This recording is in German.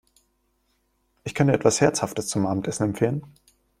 Ich kann dir etwas Herzhaftes zum Abendessen empfehlen!